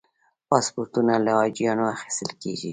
پاسپورتونه له حاجیانو اخیستل کېږي.